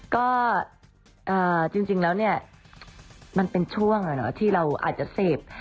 ก็จริงแล้วเนี่ยมันเป็นช่วงที่เราอาจจะเสพ